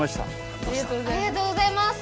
ありがとうございます。